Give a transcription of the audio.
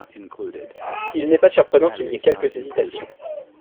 Il n’est pas surprenant qu’il y ait quelques hésitations.